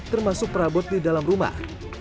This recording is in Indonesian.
termasuk perabot di dalam rumah